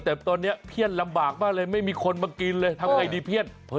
แต่ตอนนี้เพี้ยนลำบากมากเลยไม่มีคนมากินเลยทำไงดีเพี้ยน